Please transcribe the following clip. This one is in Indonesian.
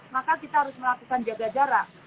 maka kita harus melakukan jaga jarak